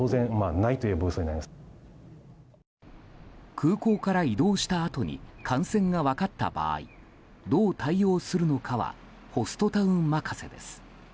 空港から移動したあとに感染が分かった場合どう対応するのかはホストタウン任せです。